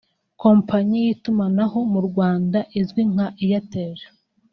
Kompanyi y’itumanaho mu Rwanda izwi nka Airtel